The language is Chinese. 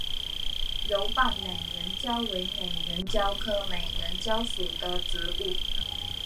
柔瓣美人蕉为美人蕉科美人蕉属的植物。